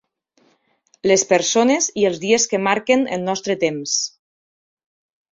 Les persones i els dies que marquen el nostre temps.